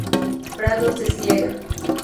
Prados de siega.